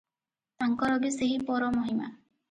ତାଙ୍କର ବି ସେହିପର ମହିମା ।